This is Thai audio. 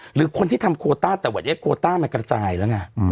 หรือคนที่ทำโกรธาแต่วัดใหญ่โกรธาน่าจะกระจายแล้วไง